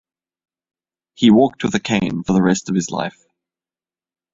He walked with a cane for the rest of his life.